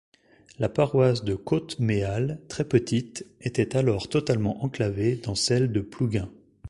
La paroisse de Coat-Méal, très petite, était alors totalement enclavée dans celle de Plouguin.